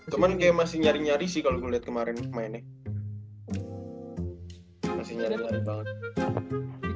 cuman kayak masih nyari nyari sih kalo gue liat kemarin pemainnya masih nyari nyari banget